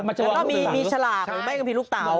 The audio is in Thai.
มันจะลงมาจนศึกษาหลุดมือแล้วนี่มีฉลากแม่กำพี่ลูกเตา